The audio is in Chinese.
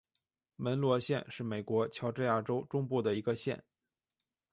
门罗县是美国乔治亚州中部的一个县。